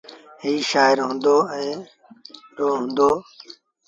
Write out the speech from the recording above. ايٚ شآهر هُݩدوآن رو هُݩدو۔